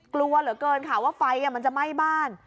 กลัวเหลือเกินค่ะว่าไฟมันจะไหม้บ้าน